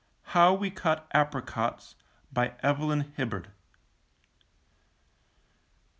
HOW WE CUT APRICOTS. BY EVELYN HIBBARD.